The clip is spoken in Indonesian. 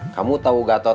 kamu tahu gatot